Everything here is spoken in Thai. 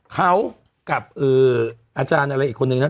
เขากับอาจารย์อะไรอีกคนนึงนะ